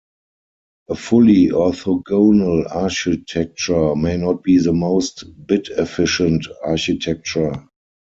A fully orthogonal architecture may not be the most "bit efficient" architecture.